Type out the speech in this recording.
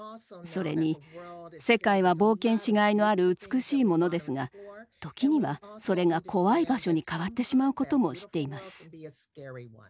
それに世界は冒険しがいのある美しいものですが時にはそれが怖い場所に変わってしまうことも知っています。